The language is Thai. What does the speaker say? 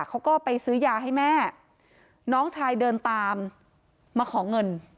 เขาก็ไปซื้อยาให้แม่น้องชายเดินตามมาขอเงิน